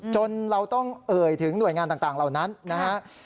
จนเราต้องเอ่ยถึงหน่วยงานต่างเหล่านั้นนะครับ